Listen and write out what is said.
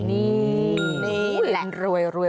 นี่แหละ